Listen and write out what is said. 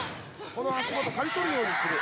この足元刈り取るようにする。